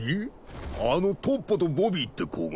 あのトッポとボビーって子が？